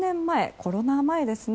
コロナ前ですね。